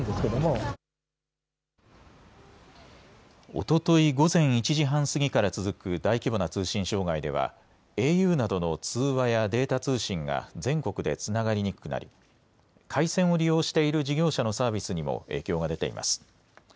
おととい午前１時半過ぎから続く大規模な通信障害ではａｕなどの通話やデータ通信が全国でつながりにくくなり回線を利用している事業者のサービスにも影響が出ています。